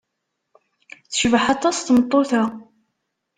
Tecbeḥ aṭas tmeṭṭut-a.